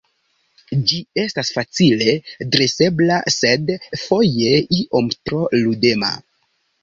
Ĝi estas facile dresebla, sed foje iom tro ludema.